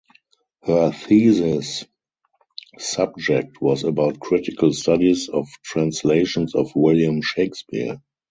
Her thesis subject was about critical studies of translations of William Shakespeare.